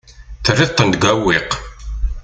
Terriḍ-ten deg uɛewwiq.